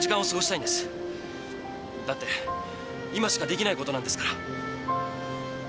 だって今しかできないことなんですから。